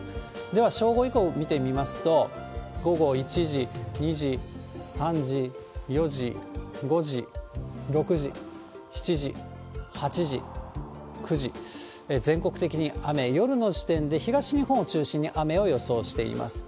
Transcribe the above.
では正午以降見てみますと、午後１時、２時、３時、４時、５時、６時、７時、８時、９時、全国的に雨、夜の時点で東日本を中心に雨を予想しています。